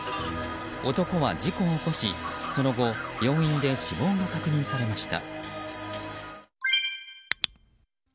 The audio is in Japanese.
男は事故を起こし、その後病院で死亡が確認されました。